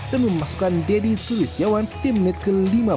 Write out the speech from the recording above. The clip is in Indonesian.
dan memasukkan deddy suwisjawan di menit ke lima puluh enam